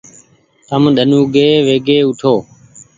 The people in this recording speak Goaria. تم ۮن اوگي ويگي اوٺو۔